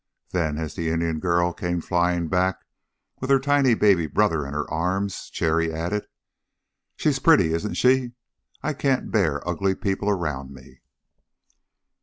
Then as the Indian girl came flying back with her tiny baby brother in her arms, Cherry added: "She's pretty, isn't she? I can't bear ugly people around me."